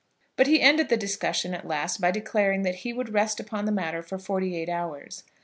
But he ended the discussion at last by declaring that he would rest upon the matter for forty eight hours.